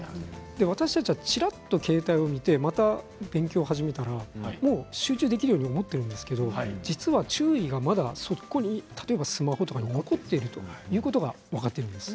私たちは、ちらっと携帯を見てまた勉強を始めたら集中できるように思っているんですけれど実は注意がまだスマホとかに残っているということが分かっているんです。